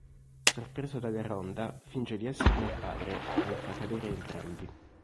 Sorpreso dalla ronda finge di esserne il padre ma li fa cadere entrambi.